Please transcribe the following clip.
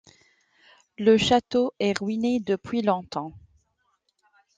Le château est ruiné, depuis longtemps.